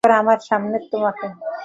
এরপর আমার সামনে তোমাকে।